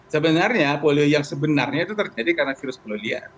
sebenarnya polio yang sebenarnya itu terjadi karena virus poliya